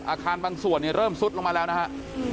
อาคารบางส่วนเริ่มซุดลงมาแล้วนะครับ